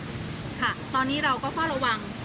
ค่ะตอนนี้เราก็เฝ้าระวัง